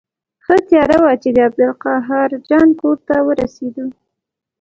ښه تیاره وه چې عبدالقاهر جان کور ته ورسېدو.